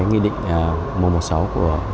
nghị định mùa một sáu của